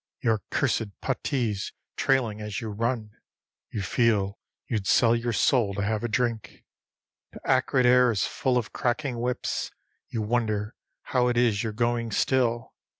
Your cursed puttee's trailing as you run; You feel you'd sell your soul to have a drink. The acrid air is full of cracking whips. You wonder how it is you're going still.